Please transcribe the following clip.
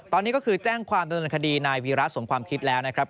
ตอนนี้ก็คือแจ้งความดำเนินคดีนายวีระสมความคิดแล้วนะครับ